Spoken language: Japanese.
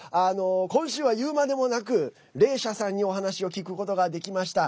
今週は、言うまでもなくレイシャさんにお話を聞くことができました。